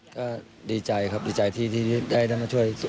ก็ดีใจครับดีใจที่ได้มาช่วย